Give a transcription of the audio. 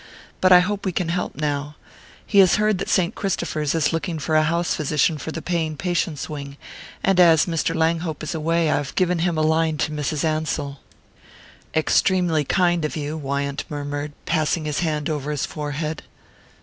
But I hope we can help now. He has heard that Saint Christopher's is looking for a house physician for the paying patients' wing, and as Mr. Langhope is away I have given him a line to Mrs. Ansell." "Extremely kind of you," Wyant murmured, passing his hand over his forehead.